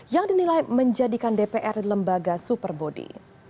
yang dinilai menjadikan dpr lembaga super body